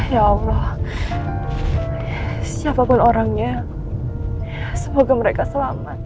ya allah siapapun orangnya semoga mereka selamat